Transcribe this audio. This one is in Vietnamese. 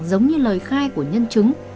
giống như lời khai của nhân chứng